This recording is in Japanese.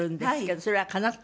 それはかなった？